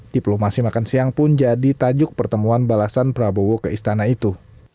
diplomasi makan siang pun jadi tajuk pertemuan balasan prabowo ke istana itu